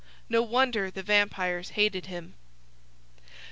No wonder the vampires hated him!